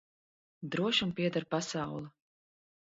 Drošam pieder pasaule.